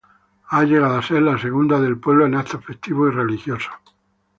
Ha llegado a ser la segunda del pueblo en actos festivos y religiosos.